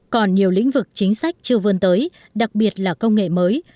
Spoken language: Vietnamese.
còn nhiều lĩnh vực chính sách chưa vươn tới đặc biệt là công nghệ mới